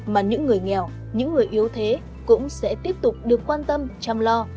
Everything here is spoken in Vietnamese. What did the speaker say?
mà những người nghèo những người yếu thế cũng sẽ tiếp tục được quan tâm chăm lo